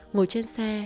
ngồi trên xe